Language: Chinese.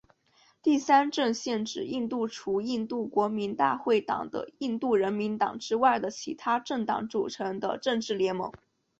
第三阵线指印度除印度国民大会党和印度人民党之外的其它政党组成的政治联盟。